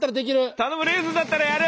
頼むレーズンだったらやる！